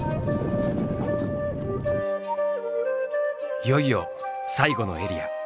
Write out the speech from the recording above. いよいよ最後のエリア